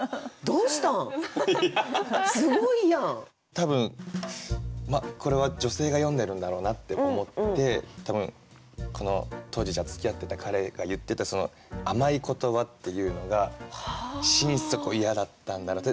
多分これは女性が詠んでるんだろうなって思って多分この当時つきあってた彼が言ってたその甘い言葉っていうのが心底嫌だったんだろうって。